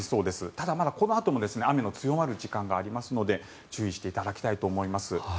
ただ、このあとも雨の強まる時間帯がありますので注意していただきたいと思います。